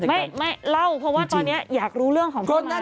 ไม่ร้าวเพราะว่าตอนนี้อยากรู้เรื่องของเขามา